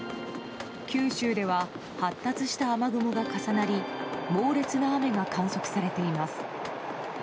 九州では発達した雨雲が重なり猛烈な雨が観測されています。